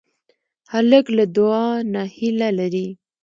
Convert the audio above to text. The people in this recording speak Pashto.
هلک له دعا نه هیله لري.